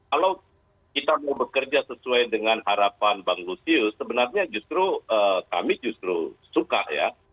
kalau kita mau bekerja sesuai dengan harapan bang lusius sebenarnya justru kami justru suka ya